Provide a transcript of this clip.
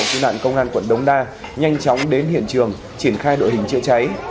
cứu nạn công an quận đông đa nhanh chóng đến hiện trường triển khai đội hình chữa cháy